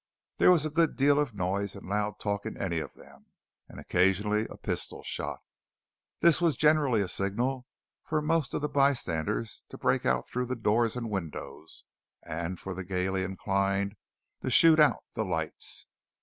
There was a good deal of noise and loud talk in any of them; and occasionally a pistol shot. This was generally a signal for most of the bystanders to break out through the doors and windows, and for the gayly inclined to shoot out the lights.